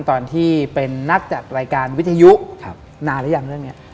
ตอนที่เป็นนักจัดรายการวิทยุนานหรือยังเรื่องนี้